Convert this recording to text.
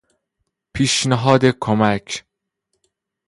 پیشنهاد کمک